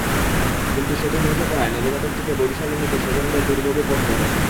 কিন্তু সেতু ধসে পড়ায় নবজাতকটিকে বরিশালে নিতে স্বজনদের দুর্ভোগে পড়তে হয়।